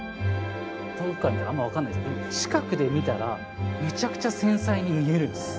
遠くから見たらあんま分かんない近くで見たらめちゃくちゃ繊細に見えるんです。